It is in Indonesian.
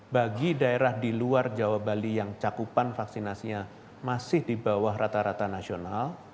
bagi daerah di luar jawa bali yang cakupan vaksinasinya masih di bawah rata rata nasional